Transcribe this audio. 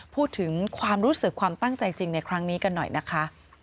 พูดถึงความรู้สึกความตั้งใจจริงในครั้งนี้กันหน่อยนะคะ